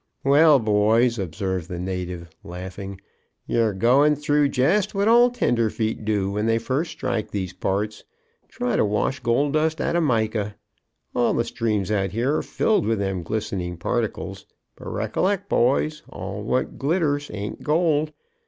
"Well, boys," observed the native, laughing, "you're goin' through jest what all tenderfeet do when they first strike these parts try to wash gold dust out of mica. All the streams out here 're filled with them glist'ning particles, but recollect, boys, all what glitters ain't gold.